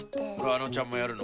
あのちゃんもやるの？